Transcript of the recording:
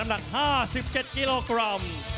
และสฬิน